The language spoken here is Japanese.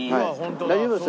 大丈夫ですよ。